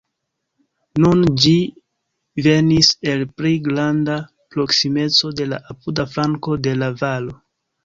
Nun ĝi venis el pli granda proksimeco de la apuda flanko de la valo.